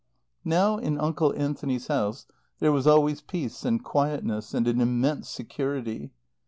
Now, in Uncle Anthony's house, there was always peace and quietness and an immense security.